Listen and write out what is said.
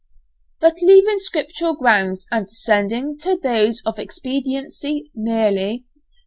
But leaving scriptural grounds and descending to those of expediency merely.